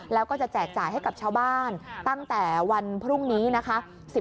แล้วก็จะแจกจ่ายให้กับชาวบ้านตั้งแต่วันพรุ่งนี้นะคะ